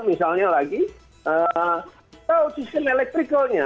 misalnya lagi tahu sistem elektrikalnya